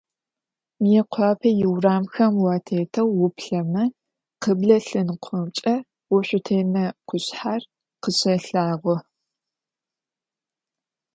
Mıêkhuape yiuramxem vuatêteu vuplheme khıble lhenıkhomç'e Voşsutêne khuşsher khışelhağo.